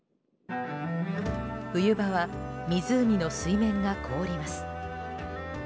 冬場は湖の水面が凍ります。